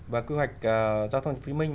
và quy hoạch giao thông phú minh